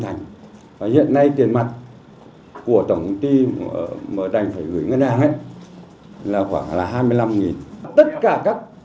hiện nay tiền mặt của tổng công ty mở đành phải gửi ngân hàng là khoảng hai mươi năm